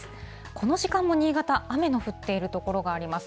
この時間も新潟、雨の降っている所があります。